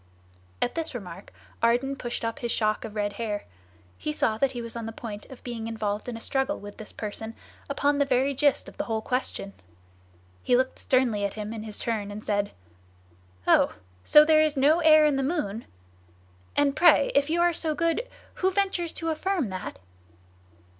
At this remark Ardan pushed up his shock of red hair; he saw that he was on the point of being involved in a struggle with this person upon the very gist of the whole question. He looked sternly at him in his turn and said: "Oh! so there is no air in the moon? And pray, if you are so good, who ventures to affirm that?